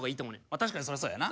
確かにそれはそうやな。